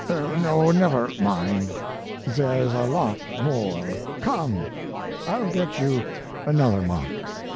No, never mind; there's a lot more come. I'll get you another mark.